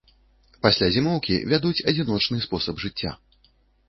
Пасля зімоўкі вядуць адзіночны спосаб жыцця.